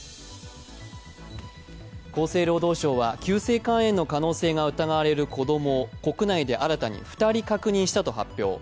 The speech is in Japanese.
厚生労働省は急性肝炎の可能性が疑われる子供、国内で新たに２人確認したと発表。